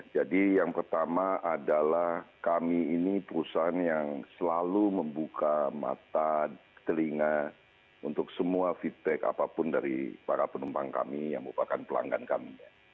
jadi yang pertama adalah kami ini perusahaan yang selalu membuka mata telinga untuk semua feedback apapun dari para penumpang kami yang merupakan pelanggan kami